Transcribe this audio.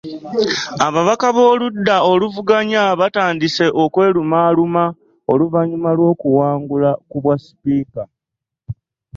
Ababaka b'oludda oluvuganya batandise okwerumaaluma oluvannyuma lw'okuwangula ku bwa sipiika.